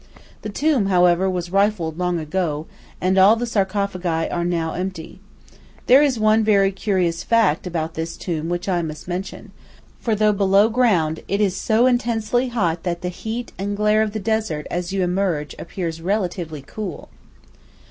The tomb, however, was rifled long ago, and all the sarcophagi are now empty. There is one very curious fact about this tomb which I must mention, for though below ground it is so intensely hot that the heat and glare of the desert as you emerge appears relatively cool.